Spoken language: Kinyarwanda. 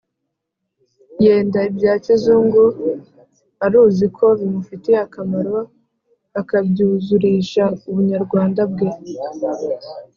yenda ibya kizungu aruzi ko bimufitiye akamaro, akabyuzurisha ubunyarwanda bwe